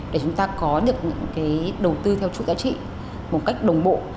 để chúng ta có được những đầu tư theo chuỗi giá trị một cách đồng bộ